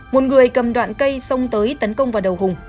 một người cầm đoạn cây xông tới tấn công vào đầu hùng